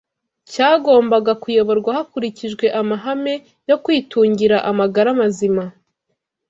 Cyagombaga kuyoborwa hakurikijwe amahame yo kwitungira amagara mazima